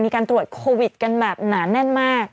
มีการตรวจโควิดกันแบบหนาแน่นมาก